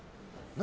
何？